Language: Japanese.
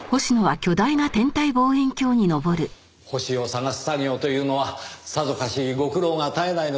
星を探す作業というのはさぞかしご苦労が絶えないのでしょうねぇ。